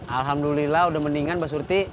alhamdulillah udah mendingan mbak surti